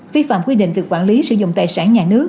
vi phạm quy định về quản lý sử dụng tài sản nhà nước